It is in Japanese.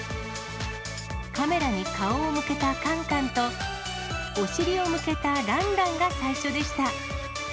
カメラに顔を向けたカンカンと、お尻を向けたランランが最初でした。